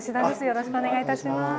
よろしくお願いします。